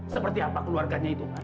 seperti apa keluarganya itu